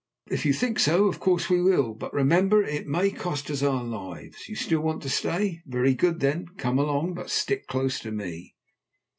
"If you think so, of course we will, but remember it may cost us our lives. You still want to stay? Very good, then, come along, but stick close to me."